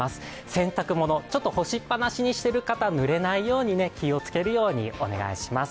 洗濯物、ちょっと干しっぱなしにしてる方ぬれないように気をつけるようにお願いします。